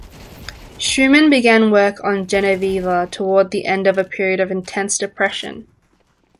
Schumann began work on "Genoveva" toward the end of a period of intense depression.